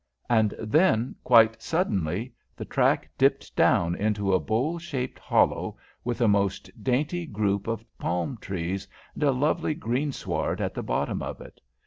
And then, quite suddenly, the track dipped down into a bowl shaped hollow, with a most dainty group of palm trees, and a lovely greensward at the bottom of it.